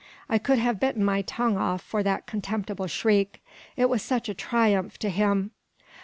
I could have bitten my tongue off for that contemptible shriek; it was such a triumph to him.